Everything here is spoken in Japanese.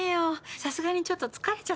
さすがにちょっと疲れちゃった。